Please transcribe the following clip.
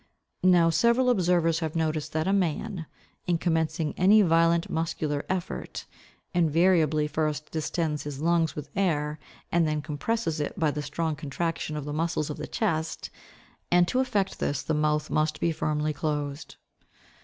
Now several observers have noticed that a man, in commencing any violent muscular effort, invariably first distends his lungs with air, and then compresses it by the strong contraction of the muscles of the chest; and to effect this the mouth must be firmly closed.